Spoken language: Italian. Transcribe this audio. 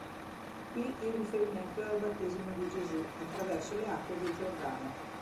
Qui il riferimento è al "Battesimo di Gesù" attraverso le acque del Giordano.